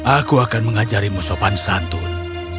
aku akan mengajarimu sopan santun